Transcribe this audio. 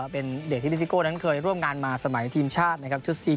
เป็นเด็กที่นั้นเคยร่วมงานมาสมัยทีมชาตินะครับชุดสี่